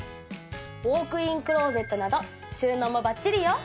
ウォークインクローゼットなど収納もバッチリよ。